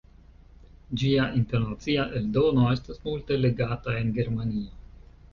Ĝia internacia eldono estas multe legata en Germanio.